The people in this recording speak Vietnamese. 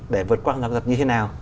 để vượt qua hàng giáo kỹ thuật như thế nào